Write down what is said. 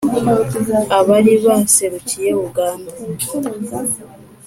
abari baserukiye uganda.